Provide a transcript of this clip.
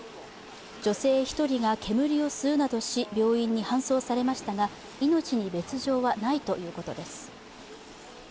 女性１人が煙を吸うなどし、病院に搬送されましたが、命に別状はないということです。